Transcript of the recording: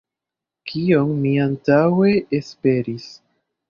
Kion mi antaŭe esperis?